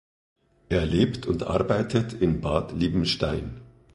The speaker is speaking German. Er lebt und arbeitet in Bad Liebenstein.